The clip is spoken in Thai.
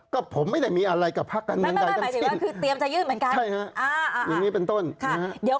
ก็ผมไม่ได้มีอะไรกับพรรคกันเมืองใดตั้งสิ้น